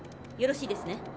よろしいですね？